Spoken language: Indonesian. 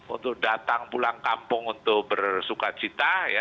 untuk datang pulang kampung untuk bersuka cita